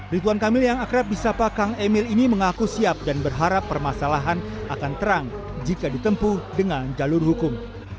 rituan kamil yang akrab bisa pak kang emil ini mengaku siap dan berharap permasalahan akan terang jika ditempuh dengan jalur hukum